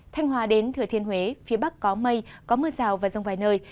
thanh hòa đến thừa thiên huế phía bắc có mây có mưa rào và rông vài nơi